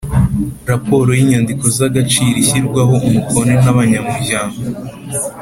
Rporo y’inyandiko z’agaciro ishyirwaho umukono n’abanyamuryango